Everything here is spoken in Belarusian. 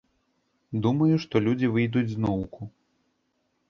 Думаю, што людзі выйдуць зноўку.